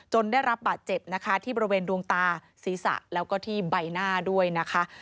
ได้รับบาดเจ็บนะคะที่บริเวณดวงตาศีรษะแล้วก็ที่ใบหน้าด้วยนะคะ